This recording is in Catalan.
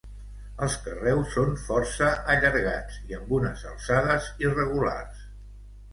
Els carreus són força allargats i amb unes alçades irregulars.